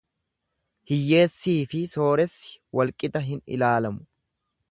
Hiyyeessiifi sooressi wal qixa hin ilaalamu.